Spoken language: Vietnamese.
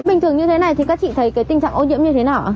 bình thường như thế này thì các chị thấy tình trạng ô nhiễm như thế nào ạ